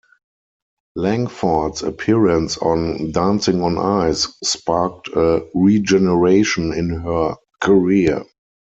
Langford's appearance on "Dancing on Ice" sparked a regeneration in her career.